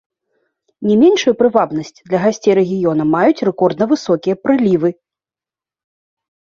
Не меншую прывабнасць для гасцей рэгіёна маюць рэкордна высокія прылівы.